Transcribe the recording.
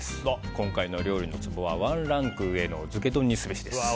今回の料理のツボはワンランク上の漬け丼にすべし。